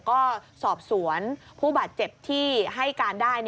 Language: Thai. ก็สอบสวนผู้บาดเจ็บที่ให้การได้